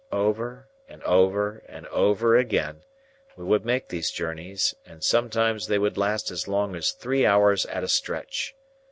Over and over and over again, we would make these journeys, and sometimes they would last as long as three hours at a stretch.